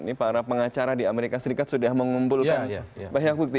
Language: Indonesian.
ini para pengacara di amerika serikat sudah mengumpulkan banyak bukti